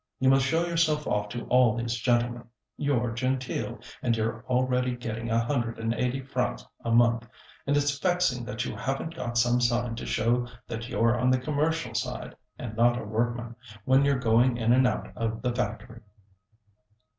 You must show yourself off to all these gentlemen. You're genteel, and you're already getting a hundred and eighty francs a month, and it's vexing that you haven't got some sign to show that you're on the commercial side, and not a workman, when you're going in and out of the factory."